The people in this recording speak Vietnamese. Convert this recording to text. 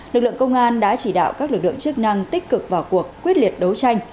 lực lượng công an đã chỉ đạo các lực lượng chức năng tích cực vào cuộc quyết liệt đấu tranh